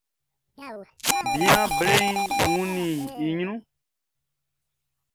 Bian bleʼn wunnin i ɲrunʼn.